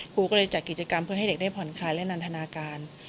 ครูก็เลยจัดกิจกรรมเพื่อให้เด็กได้ผ่อนคลายและนันทนาการ